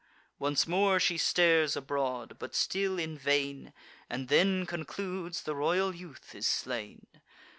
Once more she stares abroad, but still in vain, And then concludes the royal youth is slain.